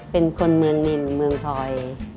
เป็นคนเมืองนินเมืองทอย